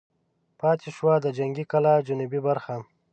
پاتې شوه د جنګي کلا جنوبي برخه.